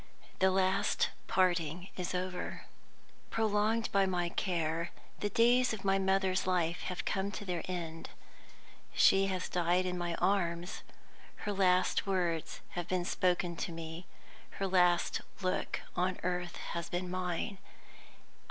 The last parting is over. Prolonged by my care, the days of my mother's life have come to their end. She has died in my arms: her last words have been spoken to me, her last look on earth has been mine.